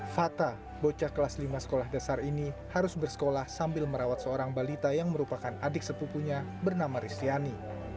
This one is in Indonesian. fata bocah kelas lima sekolah dasar ini harus bersekolah sambil merawat seorang balita yang merupakan adik sepupunya bernama ristiani